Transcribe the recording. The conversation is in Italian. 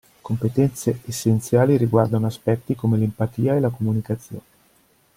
Competenze essenziali riguardano aspetti come l'empatia e la comunicazione.